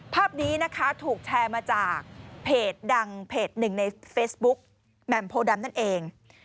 ภาพนี้นะคะถูกแชร์มาจากเพจดังเพจหนึ่งในเฟซบุ๊กแหม่มโพดำนั่นเอง